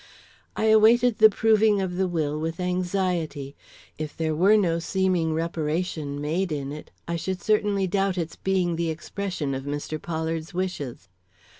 I awaited the proving of the will with anxiety. If there were no seeming reparation made in it, I should certainly doubt its being the expression of Mr. Pollard's wishes.